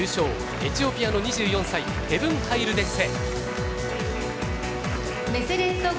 エチオピアの２４歳ヘヴン・ハイル・デッセ。